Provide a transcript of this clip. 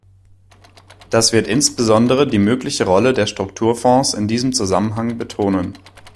Das wird insbesondere die mögliche Rolle der Strukturfonds in diesem Zusammenhang betonen.